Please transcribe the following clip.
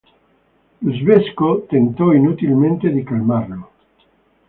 L'uzbeko tentò inutilmente di calmarlo.